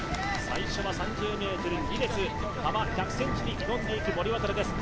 最初は３０ｍ２列幅１００ｃｍに挑んでいく森渉です